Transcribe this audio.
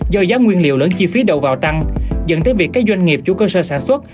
do giá nguyên liệu lẫn chi phí đầu vào tăng dẫn tới việc các doanh nghiệp chủ cơ sở sản xuất